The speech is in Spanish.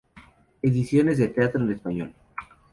Ediciones de teatro en español